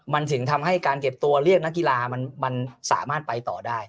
มันถึงทำให้การเก็บตัวเรียกนักกีฬามันสามารถไปต่อได้